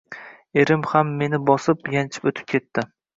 Erim ham meni bosib, yanchib o`tib ketdi